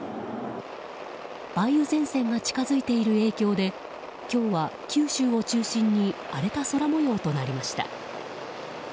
梅雨前線が近づいている影響で今日は九州を中心に荒れた空模様となりました。